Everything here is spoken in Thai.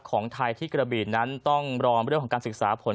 ของไทยที่กระบีนั้นต้องรอเรื่องของการศึกษาผล